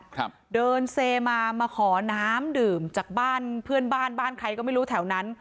ครับเดินเซมามาขอน้ำดื่มจากบ้านเพื่อนบ้านบ้านใครก็ไม่รู้แถวนั้น